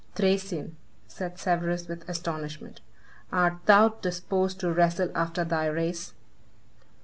"Thracian," said Severus with astonishment, "art thou disposed to wrestle after thy race?"